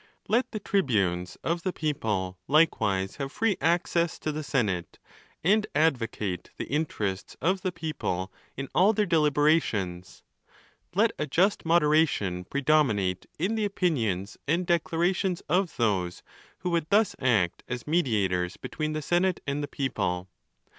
Let the tribunes of the 'people likewise have free access to the senate, and advocate the interests of the people in all their deliberations. Let a just moderation predominate in the opinions and declarations of those who would thus act as mediators between the senate and the people.